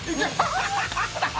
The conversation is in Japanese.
ハハハハ！